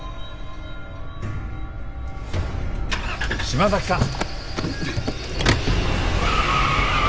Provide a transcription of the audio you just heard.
島崎さん！